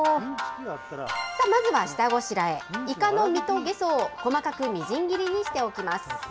まずは下ごしらえ、イカの身とゲソを細かくみじん切りにしておきます。